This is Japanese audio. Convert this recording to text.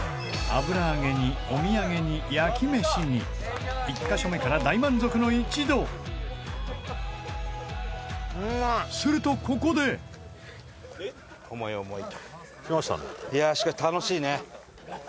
油あげにお土産に、焼きめしに１カ所目から大満足の一同すると、ここで二階堂：えっ？